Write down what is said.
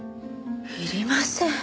いりません。